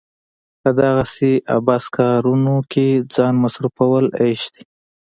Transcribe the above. په دغسې عبث کارونو کې ځان مصرفول عيش دی.